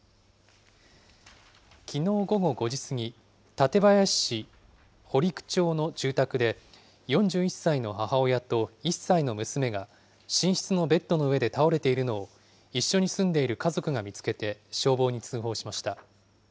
きのう午後５時過ぎ、館林市堀工町の住宅で、４１歳の母親と１歳の娘が、寝室のベッドの上で倒れているのを一緒に住んでいる家族が見つけて、消防に通報しました。